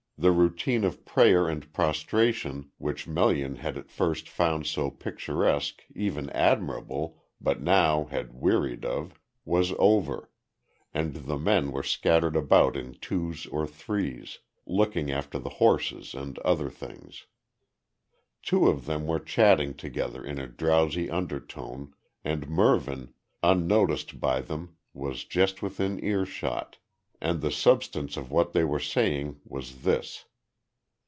The routine of prayer and prostration which Melian had at first found so picturesque, even admirable, but now had wearied of was over, and the men were scattered about in twos or threes, looking after the horses and other things. Two of them were chatting together in a drowsy undertone, and Mervyn, unnoticed by them, was just within earshot, and the substance of what they were saying was this.